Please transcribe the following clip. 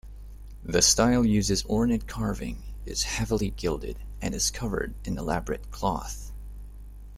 The style uses ornate carving, is heavily gilded, and is covered in elaborate cloth.